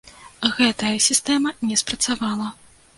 Гэтая сістэма не спрацавала.